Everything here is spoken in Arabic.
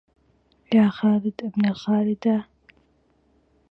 يا خالد ابن الخالدات